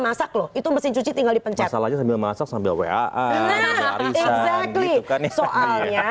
masak loh itu mesin cuci tinggal dipencet masalahnya sambil masak sambil wa a a soalnya